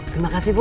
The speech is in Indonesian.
terima kasih bu